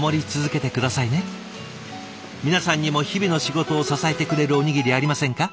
皆さんにも日々の仕事を支えてくれるおにぎりありませんか？